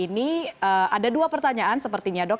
ini ada dua pertanyaan sepertinya dok